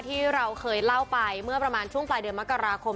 ที่เราเคยเล่าไปเมื่อประมาณช่วงปลายเดือนมกราคม